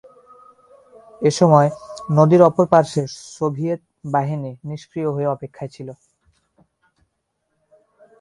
এসময় নদীর অপর পার্শ্বে সোভিয়েত বাহিনী নিষ্ক্রীয় হয়ে অপেক্ষায় ছিল।